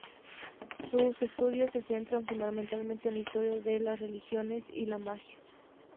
Sus estudios se centran fundamentalmente en la historia de las religiones y la magia.